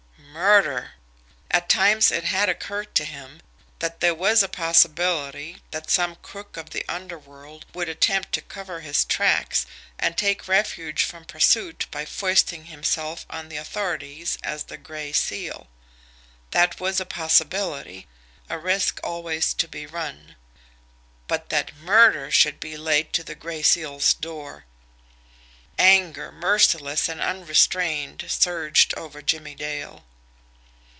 Murder! At times it had occurred to him that there was a possibility that some crook of the underworld would attempt to cover his tracks and take refuge from pursuit by foisting himself on the authorities as the Gray Seal. That was a possibility, a risk always to be run. But that MURDER should be laid to the Gray Seal's door! Anger, merciless and unrestrained, surged over Jimmie Dale.